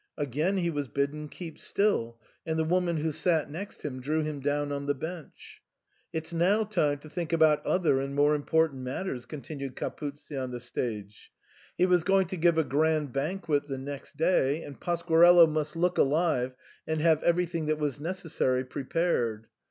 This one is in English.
Again he was bidden keep still, and the woman who sat next him drew him down on the bench. " It's now time to think about other and more im portant matters," continued Capuzzi on the stage. He was going to give a grand banquet the next day, and Pasquarello must look alive and have everything that was necessary prepared.